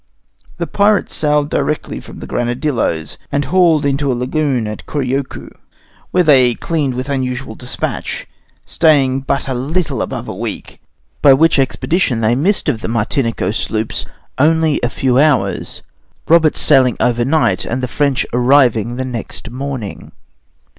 The pirates sailed directly for the Granadilloes, and hall'd into a lagoon at Corvocoo, where they cleaned with unusual dispatch, staying but a little above a week, by which expedition they missed of the Martinico sloops only a few hours, Roberts sailing overnight and the French arriving the next morning.